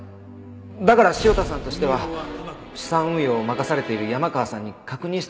だから汐田さんとしては資産運用を任されている山川さんに確認したわけですよ。